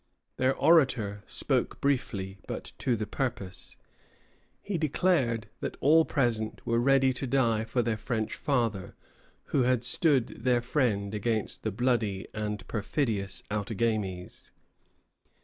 Their orator spoke briefly, but to the purpose. He declared that all present were ready to die for their French father, who had stood their friend against the bloody and perfidious Outagamies.